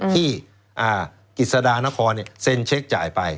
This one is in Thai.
ที่กฤษฎานครเซ็นเช็คจ่ายไป